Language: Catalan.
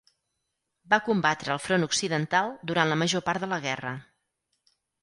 Va combatre al Front occidental durant la major part de la guerra.